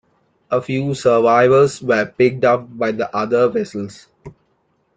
A few survivors were picked up by the other vessels.